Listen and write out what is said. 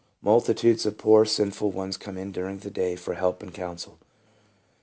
Multitudes of poor, sinful ones come in during the day for help and counsel.